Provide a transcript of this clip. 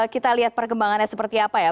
kita lihat perkembangannya seperti apa ya